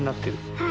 はい。